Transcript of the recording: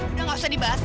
udah nggak usah dibahas